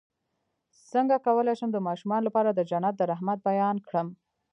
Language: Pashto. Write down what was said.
څنګه کولی شم د ماشومانو لپاره د جنت د رحمت بیان کړم